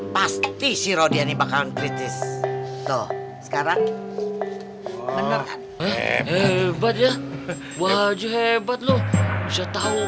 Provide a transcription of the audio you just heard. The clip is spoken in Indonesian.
pasti si rodi ini bakalan kritis tuh sekarang bener bener hebat ya wajah hebat loh bisa tahu